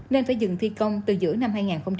nên phải dừng thi công từ giữa năm hai nghìn một mươi chín